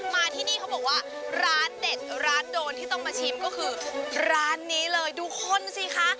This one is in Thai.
มาที่นี่เขาบอกว่าร้านเด็ดร้านโดนที่ต้องมาชิมก็คือร้านนี้เลยดูคนสิคะ